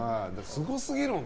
すごすぎるもん。